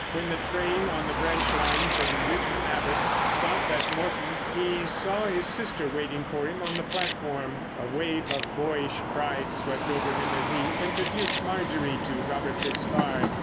When the train on the branch line from Newton Abbott stopped at Moreton he saw his sister waiting for him on the platform. A wave of boyish pride swept over him as he introduced Marjorie to Robert Despard.